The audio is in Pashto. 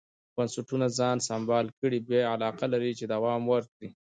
بنسټونه ځان سمبال کړي بیا علاقه لري چې دوام ورکړي.